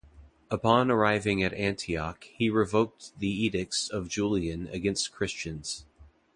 Upon arriving at Antioch, he revoked the edicts of Julian against Christians.